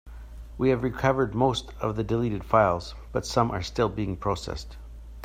We have recovered most of the deleted files, but some are still being processed.